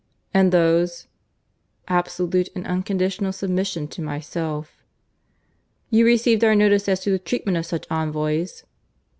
"And those?" "Absolute and unconditional submission to myself." "You received our notice as to the treatment of such envoys?"